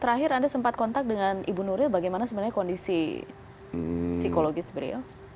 terakhir anda sempat kontak dengan ibu nuril bagaimana sebenarnya kondisi psikologis beliau